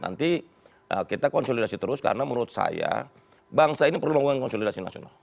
nanti kita konsolidasi terus karena menurut saya bangsa ini perlu melakukan konsolidasi nasional